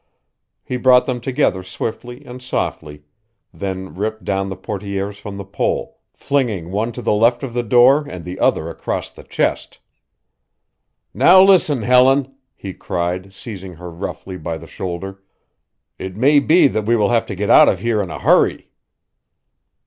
He brought them together swiftly and softly, then ripped down the portières from the pole, flinging one to the left of the door and the other across the chest. "Now listen, Helen," he cried, seizing her roughly by the shoulder. "It may be that we will have to get out of here in a hurry."